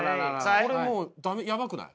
これもうヤバくない？